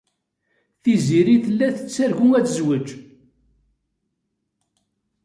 Tiziri tella tettargu ad tezweǧ.